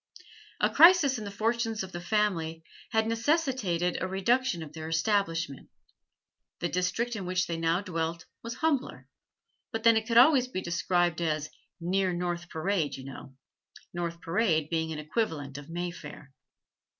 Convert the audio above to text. A crisis in the fortunes of the family had necessitated a reduction of their establishment; the district in which they now dwelt was humbler, but then it could always be described as 'near North Parade, you know'; North Parade being an equivalent of Mayfair.